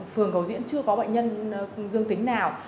phường cầu diễn chưa có bệnh nhân dương tính nào